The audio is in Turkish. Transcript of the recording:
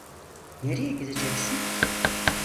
Nereye gideceksin?